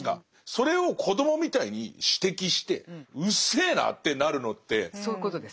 それを子どもみたいに指摘してうっせえなってなるのってすごいですよね。